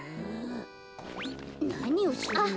なにをするの？